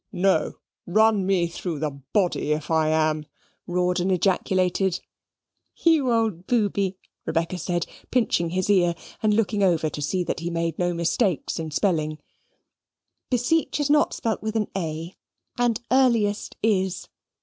"No, run me through the body if I am!" Rawdon ejaculated. "You old booby," Rebecca said, pinching his ear and looking over to see that he made no mistakes in spelling "beseech is not spelt with an a, and earliest is."